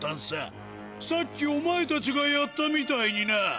さっきお前たちがやったみたいにな。